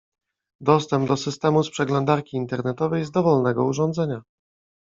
Dostęp do systemu z przeglądarki internetowej z dowolnego urządzenia.